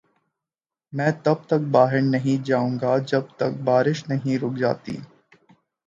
میں تب تک باہر نہیں جائو گا جب تک بارش نہیں رک جاتی۔